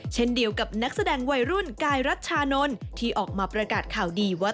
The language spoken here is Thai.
เช่นเดียวกับนักแสดงวัยรุ่นกายรัชชานนท์ที่ออกมาประกาศข่าวดีว่า